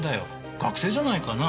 学生じゃないかな。